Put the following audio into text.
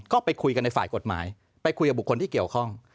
ก็ไปคุยกันในฝ่ายกฎหมายไปคุยกับบุคคลที่เกี่ยวข้อง